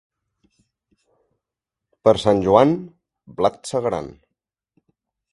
Per Sant Joan, blat segaran.